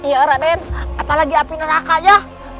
iya raden apalagi api neraka ya